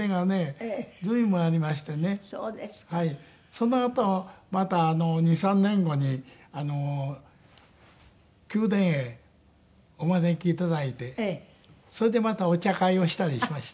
そのあとまた２３年後に宮殿へお招き頂いてそれでまたお茶会をしたりしました。